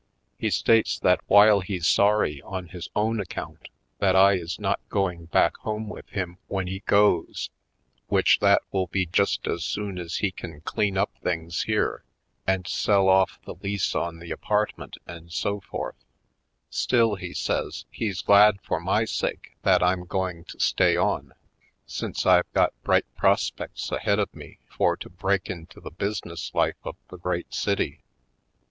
He states that while he's sorry on his own account that I is not going back home with him w^hen he goes, which that will be just as soon as he can clean up things here and sell off the lease on the apartment and so forth, still, he says, he's glad for my sake that I'm going to stay on since I've got bright prospects ahead of me for to break into the business life of the Great City.